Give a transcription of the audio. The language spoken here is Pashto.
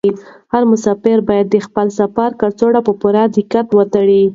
هر مسافر باید د خپل سفر کڅوړه په پوره دقت وتړي.